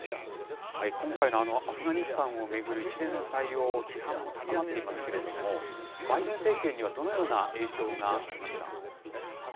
今回のアフガニスタンを巡る一連の対応、批判も高まっていますけれども、バイデン政権にはどのような影響がありますか。